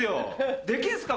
できるんすか？